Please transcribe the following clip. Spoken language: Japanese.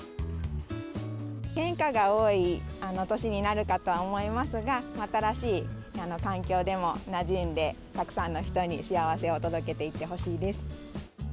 変化が多い年になるかとは思いますが、新しい環境でもなじんでたくさんの人に幸せを届けていってほしいです。